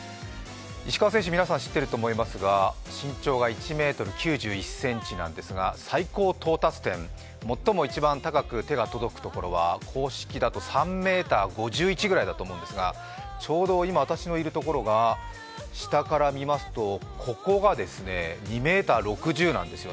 石川選手、皆さん知ってると思いますが、身長が１ｍ９１ｃｍなんですが最高到達点、最も一番高く手の届くところは公式だと３ｍ５１ぐらいだと思うんですが、ちょうど今、私のいるところが下から見ますと、ここが２ｍ６０なんです。